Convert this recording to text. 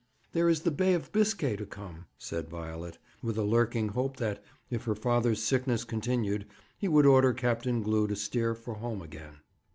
'There is the Bay of Biscay to come,' said Miss Violet, with a lurking hope that, if her father's sickness continued, he would order Captain Glew to steer for home again.